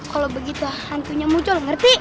kalau begitu hantunya muncul ngerti